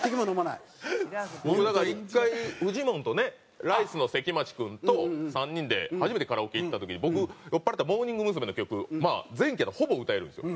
僕だから１回フジモンとねライスの関町君と３人で初めてカラオケ行った時に僕酔っ払ってモーニング娘。の曲まあ前期やったらほぼ歌えるんですよ。